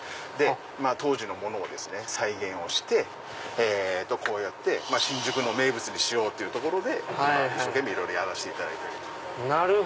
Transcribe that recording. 当時のものを再現をしてこうやって新宿の名物にしようというところで一生懸命いろいろやらしていただいてると。